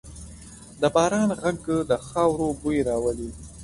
د باران ږغ د خاورو بوی راولي.